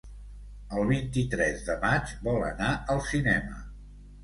El vint-i-tres de maig vol anar al cinema.